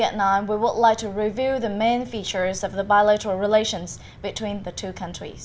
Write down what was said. chúng tôi muốn giải thích những tính cực lớn của những quan hệ bi lợi giữa hai nước